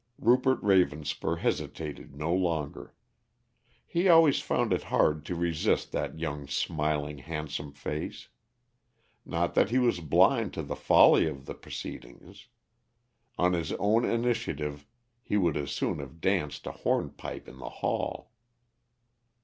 Rupert Ravenspur hesitated no longer. He always found it hard to resist that young smiling handsome face. Not that he was blind to the folly of the proceedings. On his own initiative he would as soon have danced a hornpipe in the hall.